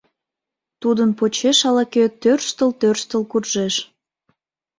Тудын почеш ала-кӧ тӧрштыл-тӧрштыл куржеш.